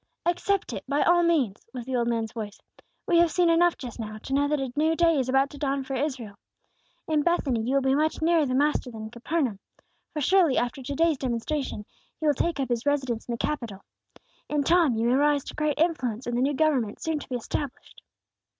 "Accept it, by all means!" was the old man's advice. "We have seen enough just now to know that a new day is about to dawn for Israel. In Bethany, you will be much nearer the Master than in Capernaum; for surely, after to day's demonstration, He will take up His residence in the capital. In time you may rise to great influence in the new government soon to be established."